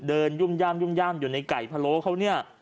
เดินยุ่มย่ามยุ่มย่ามอยู่ในไก่พะโลกเขาเนี่ย